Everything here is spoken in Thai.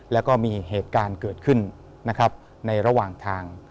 แล้วก็มีเหตุการณ์เกิดขึ้นนะครับในระหว่างทาง